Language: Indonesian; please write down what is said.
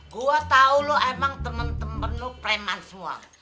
gua tau lo emang temen temen lo preman semua